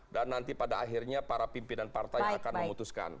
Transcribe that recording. dan nanti pada akhirnya para pimpinan partai akan memutuskan